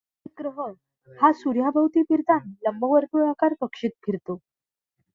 प्रत्येक ग्रह हा सूर्याभोवती फिरताना लंबवर्तुळाकार कक्षेत फिरतो.